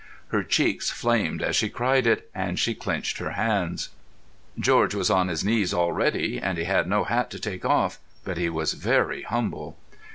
Her cheeks flamed as she cried it, and she clenched her hands. George was on his knees already, and he had no hat to take off, but he was very humble.